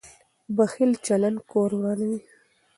بخیل چلند کور ورانوي.